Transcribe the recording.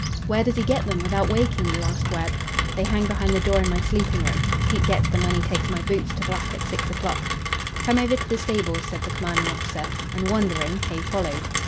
"Where does he get them without waking you?" asked Webb. "They hang behind the door in my sleeping room. Pete gets them when he takes my boots to black at six o'clock." "Come over to the stables," said the commanding officer, and, wondering, Hay followed.